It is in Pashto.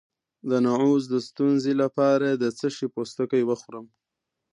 د نعوظ د ستونزې لپاره د څه شي پوستکی وخورم؟